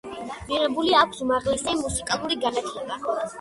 მიღებული აქვს უმაღლესი მუსიკალური განათლება.